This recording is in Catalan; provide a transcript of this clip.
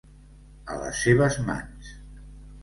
A les seves mans.